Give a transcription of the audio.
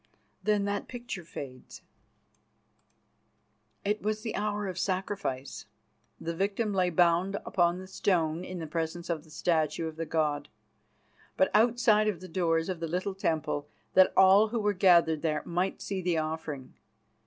Then that picture fades. It was the hour of sacrifice. The victim lay bound upon the stone in the presence of the statue of the god, but outside of the doors of the little temple, that all who were gathered there might see the offering.